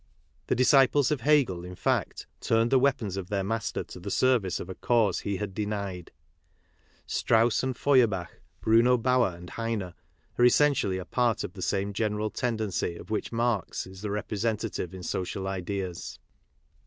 The disciples of Hegel, in fact, turned the weap ins of their master to the service of a cause he had KARL MARX 5 denied. Straus s and Feuerbach, Bruno Bauer and Heine are essentially a part of the same generaltendericy of which Marx is the representative in social ideas.